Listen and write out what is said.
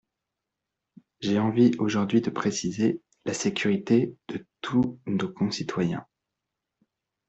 J’ai envie aujourd’hui de préciser : la sécurité de « tous » nos concitoyens.